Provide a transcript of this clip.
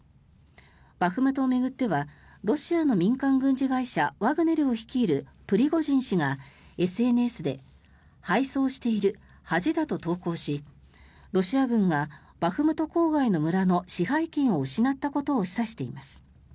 バフムトを巡ってはロシアの民間軍事会社ワグネルを率いるプリゴジン氏がＳＮＳで敗走している、恥だと投稿しロシア軍がバフムト郊外の村の支配権を失ったことを示唆しています。